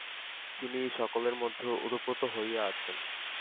তিনি এই-সকলের মধ্যে ওতপ্রোত হইয়া আছেন।